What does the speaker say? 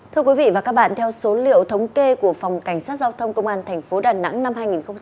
thưa quý vị và các bạn theo số liệu thống kê của phòng cảnh sát giao thông công an thành phố đà nẵng năm hai nghìn một mươi sáu